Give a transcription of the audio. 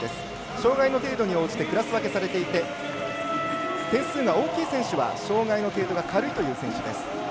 障がいの程度に応じてクラス分けされていて点数が大きい選手は障がいの程度が軽いという選手です。